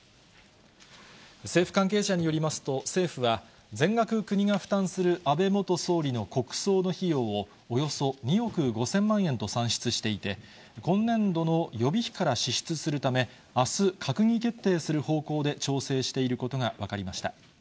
政府関係者によりますと、政府は、全額国が負担する安倍元総理の国葬の費用を、およそ２億５０００万円と算出していて、今年度の予備費から支出するため、あす、閣議決定する方向で調整していることが分かりました。